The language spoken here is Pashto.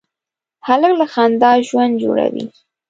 هلک له خندا ژوند جوړوي.